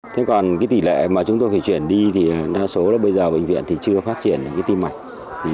thế còn tỷ lệ mà chúng tôi phải chuyển đi thì đa số là bây giờ bệnh viện thì chưa phát triển được tim mạch